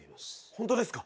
本当ですか？